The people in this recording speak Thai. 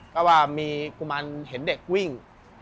ก็ว่ามีกุมารเห็นเด็กวิ่ง